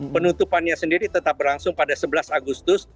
penutupannya sendiri tetap berlangsung pada sebelas agustus